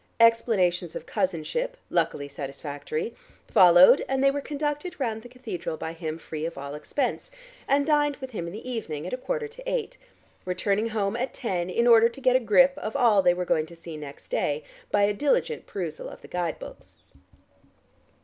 Explanations of cousinship luckily satisfactory followed, and they were conducted round the cathedral by him free of all expense, and dined with him in the evening, at a quarter to eight, returning home at ten in order to get a grip of all they were going to see next day, by a diligent perusal of the guide books.